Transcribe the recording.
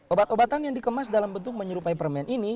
obat obatan yang dikemas dalam bentuk menyerupai permen ini